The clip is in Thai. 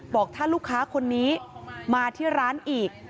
บอกถ้าลูกค้าคนนี้มาที่ร้านอีก